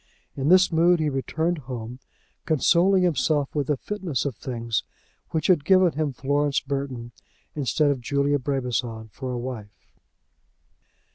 In this mood he returned home, consoling himself with the fitness of things which had given him Florence Burton instead of Julia Brabazon for a wife.